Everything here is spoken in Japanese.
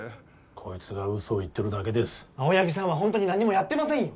こいつがウソを言ってるだけです青柳さんはホントに何もやってませんよ！